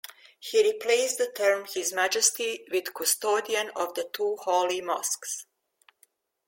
He replaced the term "His Majesty" with "Custodian of the Two Holy Mosques".